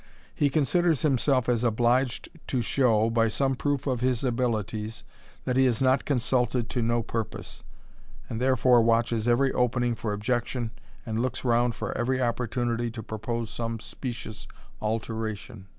He considers himself as obliged to show, by some proof of his abilities, that he is not consulted to no purpose, and therefore watches every opening for objection, and looks round for every opportunity to propose some specious alteration.